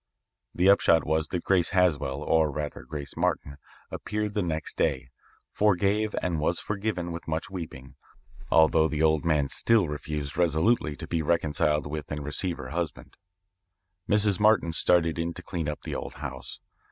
"The upshot was that Grace Haswell, or rather Grace Martin, appeared the next day, forgave and was forgiven with much weeping, although the old man still refused resolutely to be reconciled with and receive her husband. Mrs. Martin started in to clean up the old house.